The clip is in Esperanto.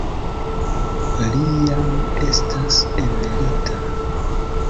Li jam estas emerita.